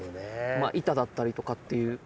板だったりとかっていう。